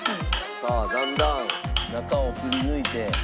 「さあだんだん中をくりぬいて」